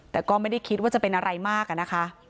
แต่ก็ไม่ได้คิดว่าจะเป็นอะไรมากอะนะคะ